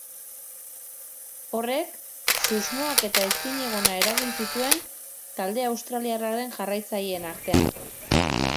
Horrek, susmoak eta ezinegona eragin zituen talde australiarraren jarraitzaileen artean.